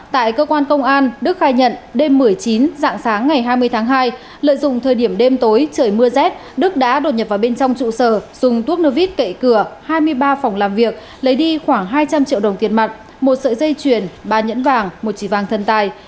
tại cơ quan công an đức khai nhận đêm một mươi chín dạng sáng ngày hai mươi tháng hai lợi dụng thời điểm đêm tối trời mưa rét đức đã đột nhập vào bên trong trụ sở dùng thuốc nô vít cậy cửa hai mươi ba phòng làm việc lấy đi khoảng hai trăm linh triệu đồng tiền mặt một sợi dây chuyền ba nhẫn vàng một chỉ vàng thân tài